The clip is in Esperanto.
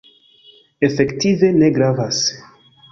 Efektive ne gravas.